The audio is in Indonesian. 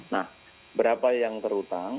nah berapa yang terhutang